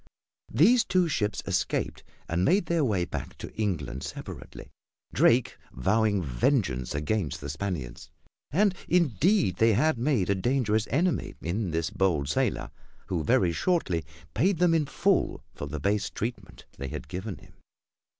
These two ships escaped and made their way back to England separately, Drake vowing vengeance against the Spaniards. And indeed they had made a dangerous enemy in this bold sailor, who very shortly paid them in full for the base treatment they had given him.